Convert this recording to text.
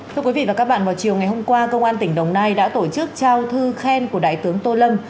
thưa quý vị và các bạn vào chiều ngày hôm qua công an tỉnh đồng nai đã tổ chức trao thư khen của đại tướng tô lâm